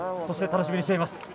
そして楽しみにしています。